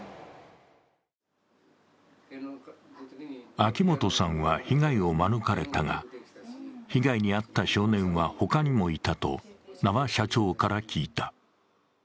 秋本さんは被害を免れたが、被害に遭った少年は他にもいたと、名和社長から聞いた。